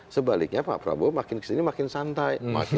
sebaliknya pak prabowo makin kesini makin santai